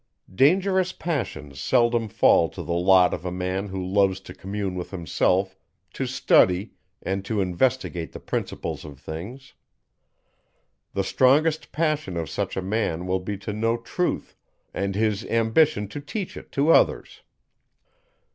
Dangerous passions seldom fall to the lot of a man who loves to commune with himself, to study, and to investigate the principles of things. The strongest passion of such a man will be to know truth, and his ambition to teach it to others.